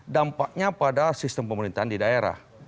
dampaknya pada sistem pemerintahan di daerah